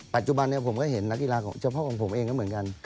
ปัจจุบันผมก็เห็นนักกีฬาของเฉพาะของผมเองก็เหมือนกัน